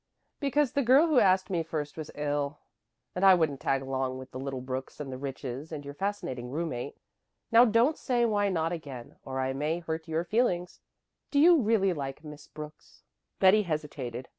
"Because the girl who asked me first was ill; and I wouldn't tag along with the little Brooks and the Riches and your fascinating roommate. Now don't say 'why not?' again, or I may hurt your feelings. Do you really like Miss Brooks?" Betty hesitated.